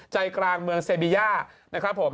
ใจกลางเมืองเซบีย่านะครับผม